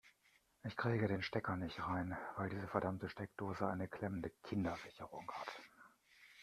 Ich kriege den Stecker nicht rein, weil diese verdammte Steckdose eine klemmende Kindersicherung hat.